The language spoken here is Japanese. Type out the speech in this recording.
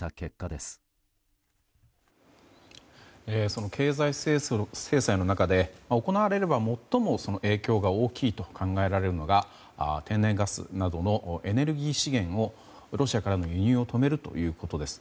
その経済制裁の中で行われれば最も影響が大きいと考えられるのが天然ガスなどのエネルギー資源のロシアからの輸入を止めるということです。